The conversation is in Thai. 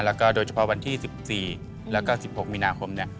แล้วโดยเฉพาะวันที่๑๔แล้วก็๑๖มินาคมเนี่ย